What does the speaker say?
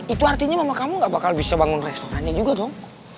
itu artinya mama kamu gak bakal bisa bangun restorannya juga dong